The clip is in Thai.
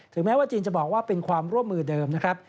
แม้ว่าจีนจะบอกว่าเป็นความร่วมมือเดิมนะครับ